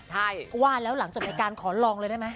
ใช่ว่าแล้วหลังจากรายการขอลองเลยได้ไหม